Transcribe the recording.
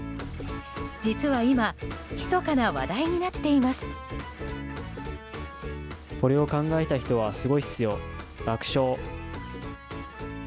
実は今密かな話題になっています。